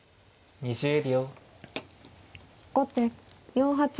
２０秒。